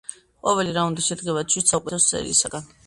ყოველი რაუნდი შედგება შვიდ საუკეთესო სერიისგან.